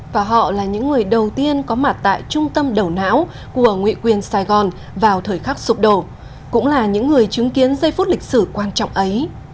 và họ là những người đầu tiên có mặt tại trung tâm đầu não của nguyện quyền sài gòn vào thời khắc sụp đổ cũng là những người chứng kiến giây phút lịch sử quan trọng ấy